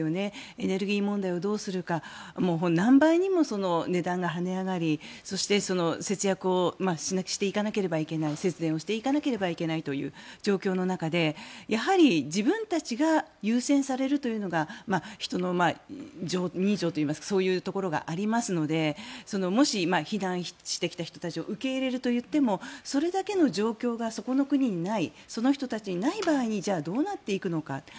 エネルギー問題をどうするか何倍にも値段が跳ね上がりそして節約をしていかなければいけない節電をしていかなければならないという状況の中でやはり、自分たちが優先されるというのが人情といいますかそういうところがありますのでもし、避難してきた人たちを受け入れるといってもそれだけの状況がそこの国にないその人たちにない場合にじゃあどうなっていくのか。